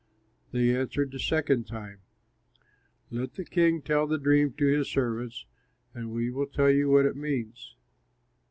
They answered the second time, "Let the king tell the dream to his servants, and we will tell what it means."